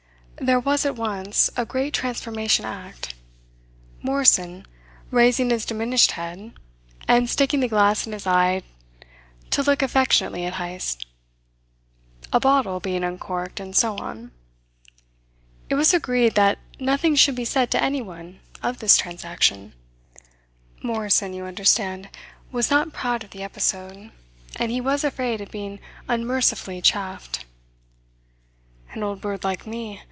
There was at once a great transformation act: Morrison raising his diminished head, and sticking the glass in his eye to look affectionately at Heyst, a bottle being uncorked, and so on. It was agreed that nothing should be said to anyone of this transaction. Morrison, you understand, was not proud of the episode, and he was afraid of being unmercifully chaffed. "An old bird like me!